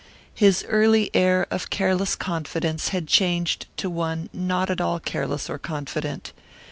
His early air of careless confidence had changed to one not at all careless or confident.